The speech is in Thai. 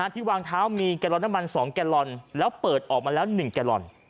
ที่วางเท้ามีแกลลอนน้ำมัน๒แกลลอนแล้วเปิดออกมาแล้ว๑แกลลอน